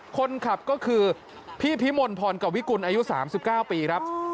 คนขับก็คือพี่พิมลพรกวิกุลอายุ๓๙ปีครับ